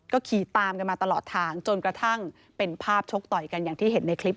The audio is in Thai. ก็ขี่ตามกันมาตลอดทางจนกระทั่งเป็นภาพชกต่อยกันอย่างที่เห็นในคลิป